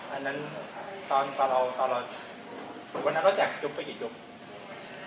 อันนั้นตอนตอนเราตอนเราหรือวันนั้นก็แจกจุ๊บไปกี่จุ๊บ